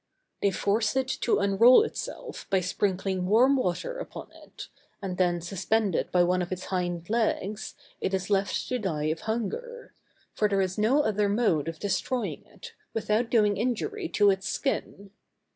_] They force it to unroll itself, by sprinkling warm water upon it, and then, suspended by one of its hind legs, it is left to die of hunger; for there is no other mode of destroying it, without doing injury to its skin.